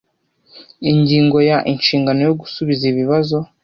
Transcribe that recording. Ingingo ya Inshingano yo gusubiza ibibazo